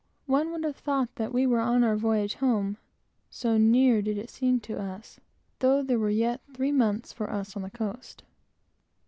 One would have thought we were on our voyage home, so near did it seem to us, though there were yet three months for us on the coast.